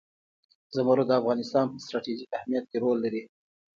زمرد د افغانستان په ستراتیژیک اهمیت کې رول لري.